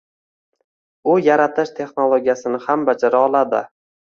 U yaratish texnologiyasini ham bajara oladi